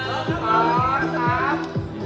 อาหาร